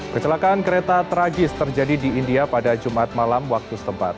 kecelakaan kereta tragis terjadi di india pada jumat malam waktu setempat